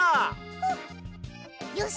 ほっよし。